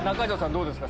どうですか？